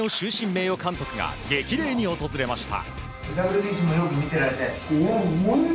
名誉監督が激励に訪れました。